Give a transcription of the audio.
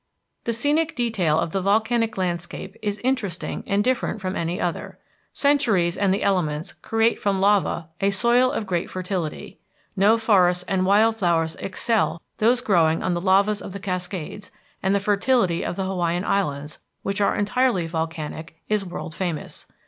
The scenic detail of the volcanic landscape is interesting and different from any other. Centuries and the elements create from lava a soil of great fertility. No forests and wild flowers excel those growing on the lavas of the Cascades, and the fertility of the Hawaiian Islands, which are entirely volcanic, is world famous.